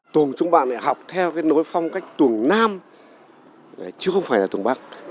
tuồng chúng bạn lại học theo cái nối phong cách tuồng nam chứ không phải là tuồng bắc